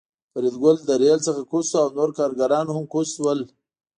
فریدګل له ریل څخه کوز شو او نور کارګران هم کوز شول